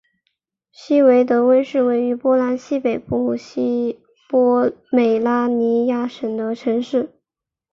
希维德温是位于波兰西北部西波美拉尼亚省的城市。